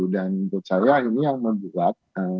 dan menurut saya ini yang membuat